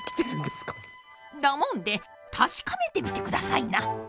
だもんで確かめてみてくださいな！